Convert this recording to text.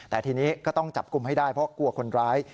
แต่ทีนี้ก็ต้องจับกลุ่มให้ได้เพราะกลัวคนร้าย